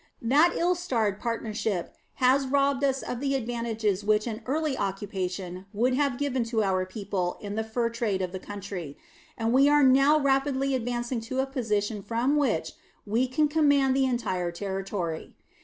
That ill starred partnership has robbed us of the advantages which an early occupation would have given to our people in the fur trade of the country, and we are now rapidly advancing to a position from which we can command the entire Territory.